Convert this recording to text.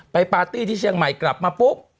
ปาร์ตี้ที่เชียงใหม่กลับมาปุ๊บ